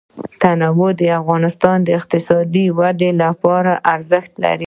تنوع د افغانستان د اقتصادي ودې لپاره ارزښت لري.